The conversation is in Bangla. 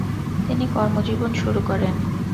তিনি কর্মজীবন শুরু করেন।